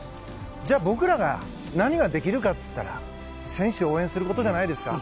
じゃあ、僕らが何ができるかといったら選手を応援することじゃないですか。